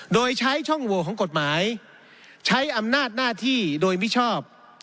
โดยใช้ช่องโหวของกฎหมายใช้อำนาจหน้าที่โดยมิชอบ